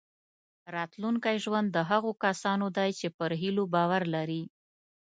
راتلونکی ژوند د هغو کسانو دی چې پر هیلو باور لري.